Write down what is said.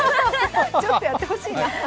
ちょっとやってほしいな。